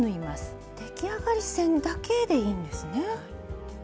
出来上がり線だけでいいんですね。